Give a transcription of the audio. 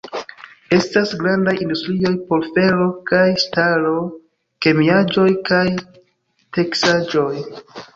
Estas grandaj industrioj por fero kaj ŝtalo, kemiaĵoj kaj teksaĵoj.